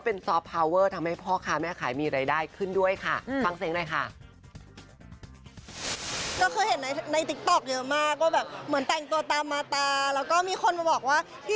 เออแต่บรรยากาศรักดี